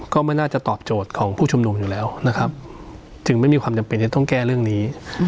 ก็ไม่น่าจะตอบโจทย์ของผู้ชุมนุมอยู่แล้วนะครับถึงไม่มีความจำเป็นจะต้องแก้เรื่องนี้